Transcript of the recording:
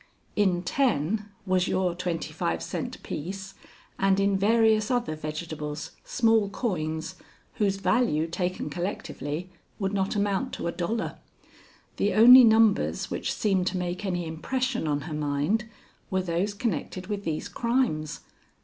"In ten was your twenty five cent piece, and in various other vegetables, small coins, whose value taken collectively would not amount to a dollar. The only numbers which seemed to make any impression on her mind were those connected with these crimes.